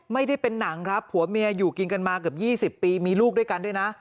ไม่ได้เป็นหนังครับผัวเมียอยู่กินกันมาเกือบ๒๐ปีมีลูกด้วยกันด้วยนะ